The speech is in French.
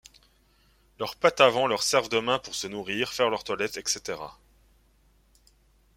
Leurs pattes avant leur servent de mains pour se nourrir, faire leur toillette, etc.